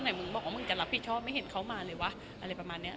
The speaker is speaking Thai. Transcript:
มึงบอกว่ามึงจะรับผิดชอบไม่เห็นเขามาเลยวะอะไรประมาณเนี้ย